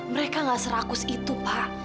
mereka gak serakus itu pak